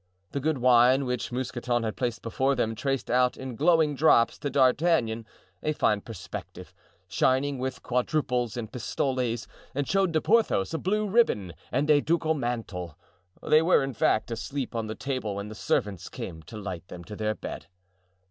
The good wine which Mousqueton had placed before them traced out in glowing drops to D'Artagnan a fine perspective, shining with quadruples and pistoles, and showed to Porthos a blue ribbon and a ducal mantle; they were, in fact, asleep on the table when the servants came to light them to their bed.